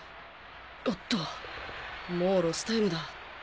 おっともうロスタイムだ。